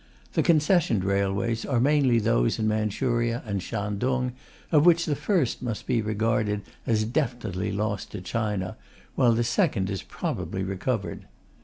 (The concessioned railways are mainly those in Manchuria and Shantung, of which the first must be regarded as definitely lost to China, while the second is probably recovered.